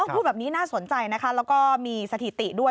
พูดแบบนี้น่าสนใจนะคะแล้วก็มีสถิติด้วย